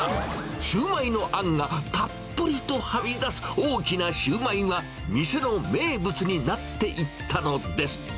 シューマイのあんがたっぷりとはみ出す大きなシューマイは、店の名物になっていったのです。